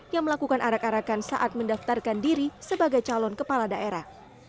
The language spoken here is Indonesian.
yang melakukan arak arakan saat mendaftarkan diri sebagai calon kepala daerah